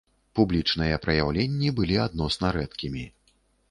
Публічныя праяўленні былі адносна рэдкімі.